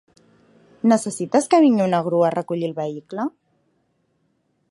Necessites que vingui una grua a recollir el vehicle?